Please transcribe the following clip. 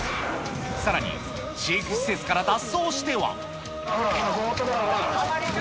さらに飼育施設から脱走しては。